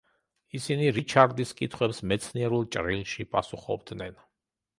ისინი რიჩარდის კითხვებს მეცნიერულ ჭრილში პასუხობდნენ.